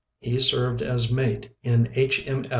He served as mate in H. M.